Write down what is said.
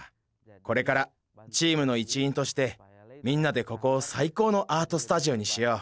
これからチームの一員としてみんなでここをさいこうのアート・スタジオにしよう。